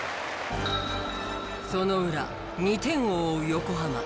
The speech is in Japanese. その裏２点を追う横浜。